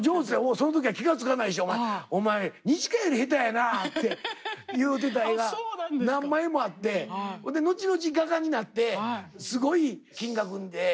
その時は気が付かないし「お前二千翔より下手やな」って言うてた絵が何枚もあって後々画家になってすごい金額で。